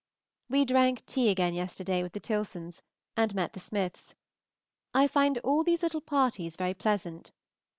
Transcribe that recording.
We drank tea again yesterday with the Tilsons, and met the Smiths. I find all these little parties very pleasant.